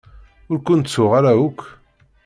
Ur ken-ttuɣ ara akk.